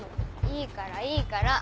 いいからいいから。